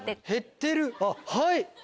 減ってるはい。